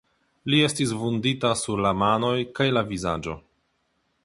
Li estis vundita sur la manoj kaj la vizaĝo.